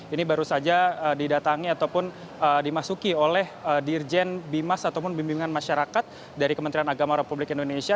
ini baru saja didatangi ataupun dimasuki oleh dirjen bimas ataupun bimbingan masyarakat dari kementerian agama republik indonesia